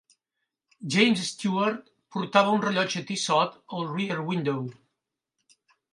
James Stewart portava un rellotge Tissot a 'Rear Window'.